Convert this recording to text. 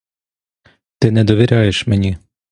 Ти не довіряєш мені.